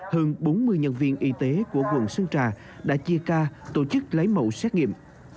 hơn bốn mươi nhân viên y tế của quận sơn trà đã chia ca tổ chức lấy mẫu xét nghiệm